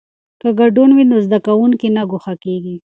که ګډون وي نو زده کوونکی نه ګوښه کیږي.